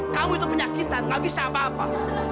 kamu itu penyakitan gak bisa apa apa